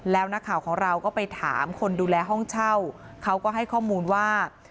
แล้วนักข่าวของเราก็ไปถามคนดูแลห้องเช่าเขาก็ให้ข้อมูลว่า